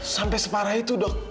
lagi semarah itu dok